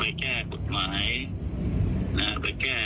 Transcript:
หรือจะต่อต้านอะไรไม่ใช่